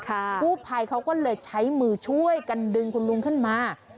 กู้ภัยเขาก็เลยใช้มือช่วยกันดึงคุณลุงขึ้นมา